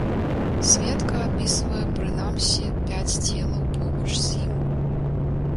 Сведка апісвае прынамсі пяць целаў побач з ім.